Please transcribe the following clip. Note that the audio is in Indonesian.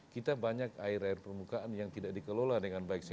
kita banyak air air permukaan yang tidak dikelola dengan baik